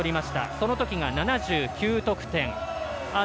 そのときが７９得点。